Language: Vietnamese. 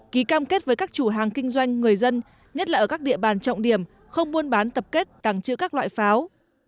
ký cam kết với các chủ hàng kinh doanh người dân nhất là ở các địa bàn trọng điểm không buôn bán tập kết tàng trữ các loại pháo